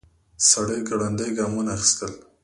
سړی ګړندي ګامونه اخيستل.